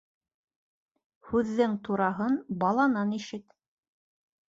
Һүҙҙең тураһын баланан ишет.